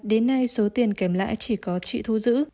đến nay số tiền kèm lãi chỉ có chị thu giữ